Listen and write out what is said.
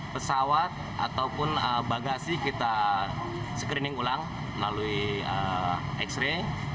pesawat ataupun bagasi kita screening ulang melalui x ray